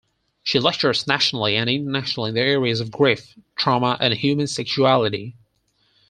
She lectures nationally and internationally in the areas of grief, trauma and human sexuality.